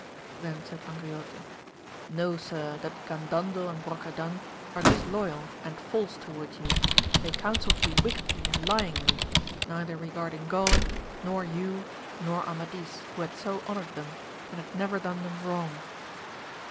Then said Angriote, Know sir that Gandandel and Brocadan are disloyal and false toward you, they counselled you wickedly and Ijdngly, neither regarding God, nor you, nor Amadis, who had so honoured them, and had never done them wrong.